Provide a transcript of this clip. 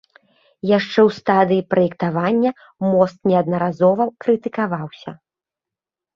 Яшчэ ў стадыі праектавання мост неаднаразова крытыкаваўся.